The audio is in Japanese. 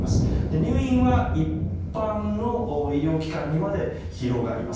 入院は一般の医療機関にまで広がります。